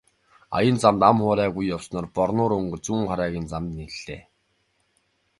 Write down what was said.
Аян замд ам хуурайгүй явсаар Борнуур өнгөрч Зүүнхараагийн замд нийллээ.